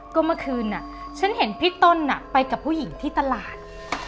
ก็เมื่อคืนฉันเห็นพี่ต้นไปกับผู้หญิงที่ตลาด